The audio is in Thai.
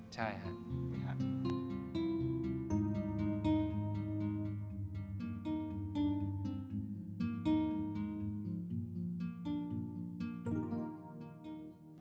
ใช่ครับ